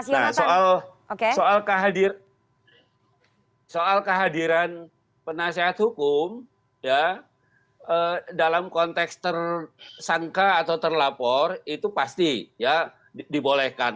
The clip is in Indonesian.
nah soal kehadiran penasehat hukum dalam konteks tersangka atau terlapor itu pasti ya dibolehkan